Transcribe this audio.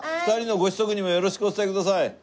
２人のご子息にもよろしくお伝えください。